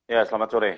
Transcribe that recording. ya selamat sore